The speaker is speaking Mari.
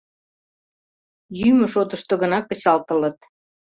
Йӱмӧ шотышто гына кычалтылыт.